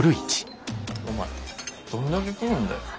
お前どんだけ食うんだよ。